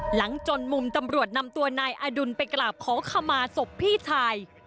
จนมุมตำรวจนำตัวนายอดุลไปกราบขอขมาศพพี่ชาย